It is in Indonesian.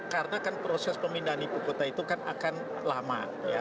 karena kan proses pemindahan ibu kota itu kan akan lama